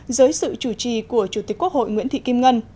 dưới sự chủ trì của chủ tịch quốc hội nguyễn thị kim ngân